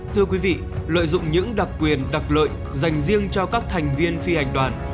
thưa quý vị lợi dụng những đặc quyền đặc lợi dành riêng cho các thành viên phi hành đoàn